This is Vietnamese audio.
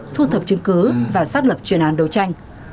thu thập chứng cứ và xác lập chuyên án đấu tranh